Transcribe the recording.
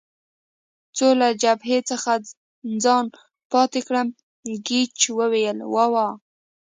څو له جبهې څخه ځان پاتې کړم، ګېج وویل: وا وا.